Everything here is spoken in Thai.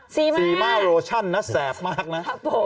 ซีมาโรชั่นนะแสบมากนะ